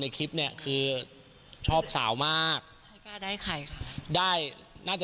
แอบมองเขาอยู่